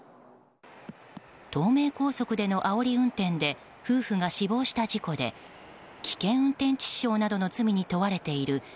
東名高速でのあおり運転で夫婦が死亡した事故で危険運転致死傷などの罪に問われている